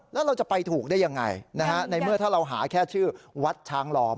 แล้วเราจะไปถูกได้ยังไงนะฮะในเมื่อถ้าเราหาแค่ชื่อวัดช้างหลอม